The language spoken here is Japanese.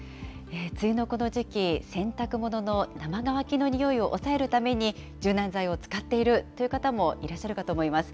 梅雨のこの時期、洗濯物の生乾きのにおいを抑えるために、柔軟剤を使っているという方もいらっしゃるかと思います。